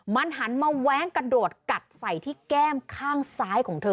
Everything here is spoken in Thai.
มันหันมาแว้งกระโดดกัดใส่ที่แก้มข้างซ้ายของเธอ